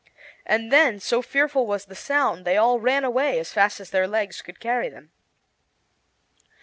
And then, so fearful was the sound, they all ran away as fast as their legs could carry them.